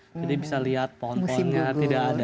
jadi bisa lihat pohon pohonnya tidak ada